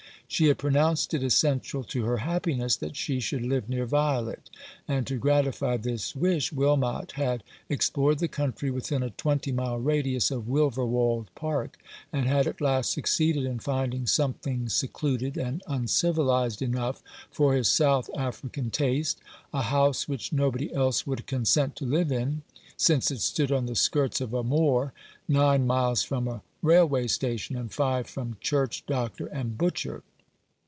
She had pro nounced it essential to her happiness that she should live near Violet ; and to gratify this wish Wilmot had explored the country within a twenty mile radius of Wilverwold Park, and had at last succeeded in finding something secluded and un civilized enough for his South African taste, a house which nobody else would consent to live in, since it stood on the skirts of a moor, nine miles from a railway station, and five from church, doctor, and butcher.